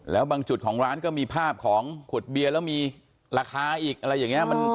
แล้วบางจุดของร้านก็มีภาพของขวดเบียร์แล้วมีราคาอีกอะไรอย่างนี้